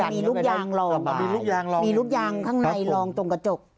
มีลูกยางรองมีลูกยางข้างในลองตรงกระจก